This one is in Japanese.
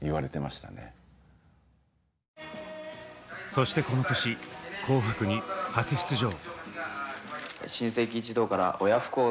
そしてこの年「紅白」に初出場。